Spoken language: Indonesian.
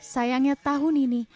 sayangnya tahun ini